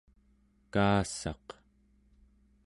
kaassaq